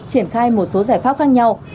triển khai một số giải pháp khác nhau